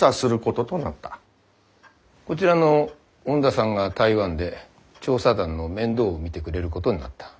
こちらの恩田さんが台湾で調査団の面倒を見てくれることになった。